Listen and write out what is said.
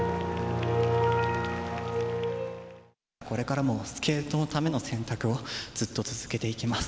これからもスケートのための選択をずっと続けていきます。